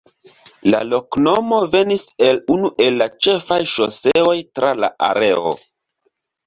La loknomo venis el unu el la ĉefaj ŝoseoj tra la areo.